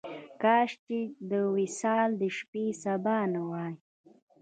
کاش چې د وصال د شپې سبا نه وای.